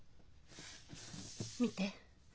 見て。